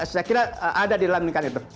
saya kira ada di dalam ikan itu